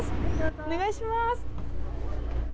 お願いします。